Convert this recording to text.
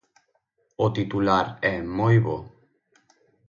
"O titular é moi bo".